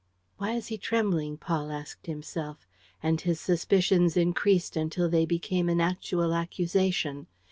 "Why is he trembling?" Paul asked himself; and his suspicions increased until they became an actual accusation.